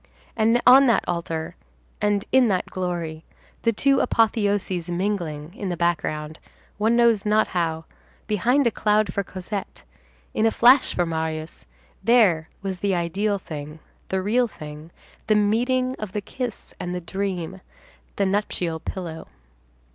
And on that altar, and in that glory, the two apotheoses mingling, in the background, one knows not how, behind a cloud for Cosette, in a flash for Marius, there was the ideal thing, the real thing, the meeting of the kiss and the dream, the nuptial pillow.